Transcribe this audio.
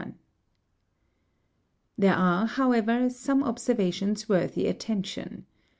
There are, however, some observations worthy attention.